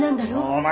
お前